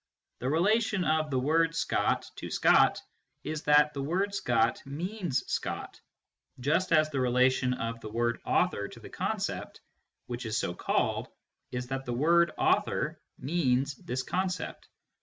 The relation oi " Scott " to Scott is that " Scott " means Scott, just as the relation of " author " to the concept which is so called is that " author " means this concept.